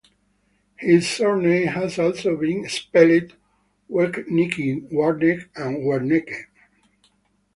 His surname has also been spelled Wernigke, Warneck, and Werneke.